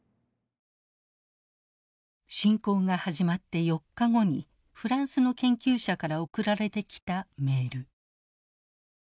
侵攻が始まって４日後にフランスの研究者から送られてきたメール。